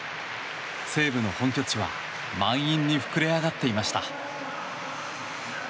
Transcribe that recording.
西武の本拠地は満員に膨れ上がっていました。